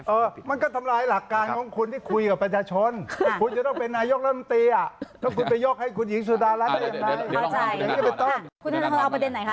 คุณธนธรเราเอาประเด็นไหนครับ